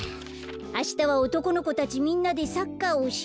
あしたは「おとこの子たちみんなでサッカーをしました」。